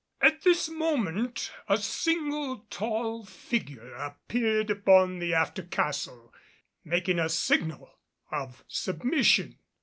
At this moment a single tall figure appeared upon the after castle making a signal of submission.